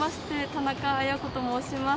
田中絢子と申します。